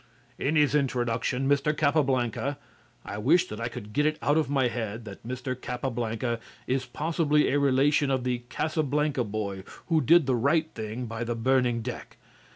In his introduction, Mr. Capablanca (I wish that I could get it out of my head that Mr. Capablanca is possibly a relation of the Casablanca boy who did the right thing by the burning deck.